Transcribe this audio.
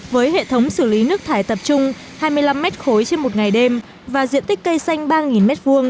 với hệ thống xử lý nước thải tập trung hai mươi năm m ba trên một ngày đêm và diện tích cây xanh ba m hai